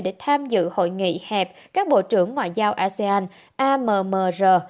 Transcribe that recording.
để tham dự hội nghị hẹp các bộ trưởng ngoại giao asean ammr